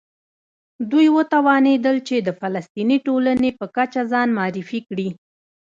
دوی وتوانېدل چې د فلسطیني ټولنې په کچه ځان معرفي کړي.